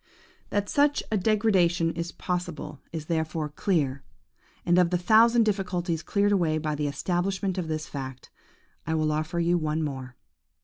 – "That such a degeneration is possible is therefore clear; and of the thousand difficulties cleared away by the establishment of this fact, I will offer you one more.